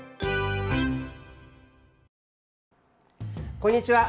こんにちは。